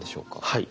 はい。